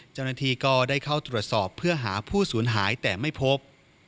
เจ้าหน้าที่ก็ได้เข้าตรวจสอบเพื่อหาผู้สูญหายแต่ไม่พบ